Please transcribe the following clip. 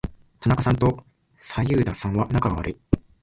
田中さんと左右田さんは仲が悪い。